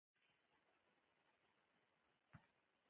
اړیکو له ټینګولو څخه را وګرځوی.